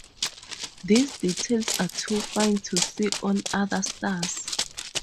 These details are too fine to see on other stars.